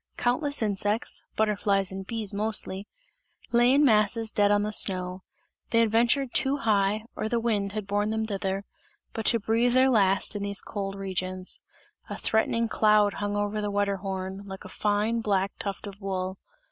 Countless insects (butterflies and bees mostly) lay in masses dead on the snow; they had ventured too high, or the wind had borne them thither, but to breathe their last in these cold regions. A threatening cloud hung over the Wetterhorn, like a fine, black tuft of wool.